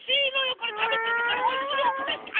これたべてみたらおいしいよぜったい。